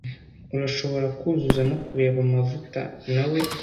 Urashobora kuzuza no kureba amavuta, nawe?